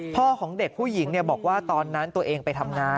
ของเด็กผู้หญิงบอกว่าตอนนั้นตัวเองไปทำงาน